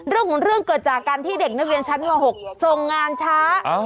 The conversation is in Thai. พอกุแลอกันเกิดจากการที่เด็กในเวียงชั้น๖ทรงงานช้า